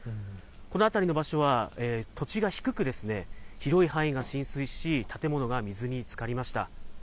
この辺りの場所は土地が低く、広い範囲が浸水し、建物が水につかりました。